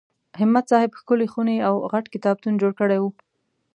همت صاحب ښکلې خونې او غټ کتابتون جوړ کړی و.